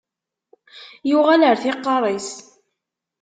Yuɣal ar tiqqaṛ is.